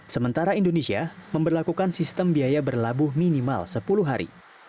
sementara indonesia memperlakukan sistem biaya berlabuh minimal sepuluh hari